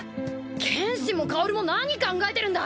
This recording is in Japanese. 剣心も薫も何考えてるんだ！